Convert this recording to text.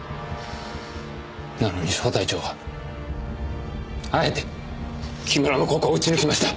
なのに小隊長はあえて木村のここを撃ち抜きました。